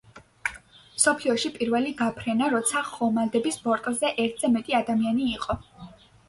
მსოფლიოში პირველი გაფრენა როცა ხომალდის ბორტზე ერთზე მეტი ადამიანი იყო.